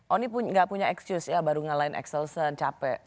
oni gak punya excuse ya baru ngalahin excelsen capek